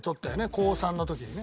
高３の時にね。